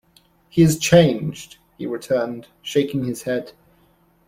"He is changed," he returned, shaking his head.